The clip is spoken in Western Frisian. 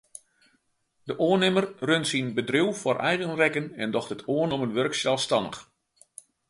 De oannimmer runt syn bedriuw foar eigen rekken en docht it oannommen wurk selsstannich.